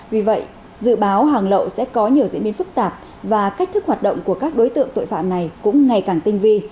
vì vậy dự báo hàng lậu sẽ có nhiều diễn biến phức tạp và cách thức hoạt động của các đối tượng tội phạm này cũng ngày càng tinh vi